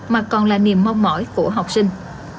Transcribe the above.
mà còn là niềm mong mỏi của học sinh